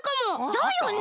だよね！